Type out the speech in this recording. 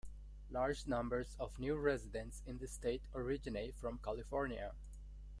Large numbers of new residents in the state originate from California.